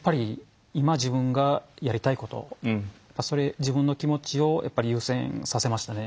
今自分がやりたいこと自分の気持ちを優先させましたね。